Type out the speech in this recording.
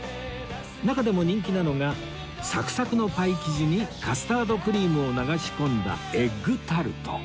中でも人気なのがサクサクのパイ生地にカスタードクリームを流し込んだエッグタルト